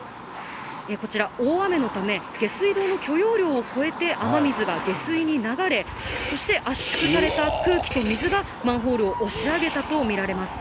こちら、大雨のため、下水道の許容量を超えて、雨水が下水に流れ、そして圧縮された空気と水がマンホールを押し上げたと見られます。